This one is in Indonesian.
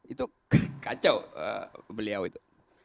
itu kacau beliau itu